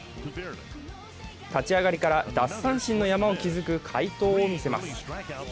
立ち上がりから奪三振の山を築く快投を見せます。